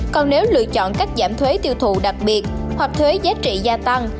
còn nếu lựa chọn cách giảm thuế tiêu thụ đặc biệt hoặc thuế giá trị gia tăng